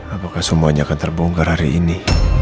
apakah semuanya akan terbongkar hari ini